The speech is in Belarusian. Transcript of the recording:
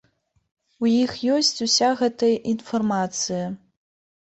У іх ёсць уся гэтая інфармацыя.